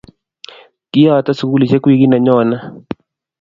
Kiyote sikulishek wikit neyone